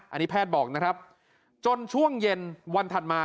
อันนี้แพทย์บอกนะครับจนช่วงเย็นวันถัดมา